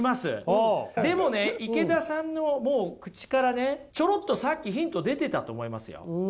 でもね池田さんのもう口からねちょろっとさっきヒント出てたと思いますよ。